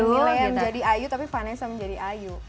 bukan milea menjadi ayu tapi vanessa menjadi ayu